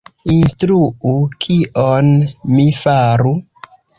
Instruu, kion mi faru?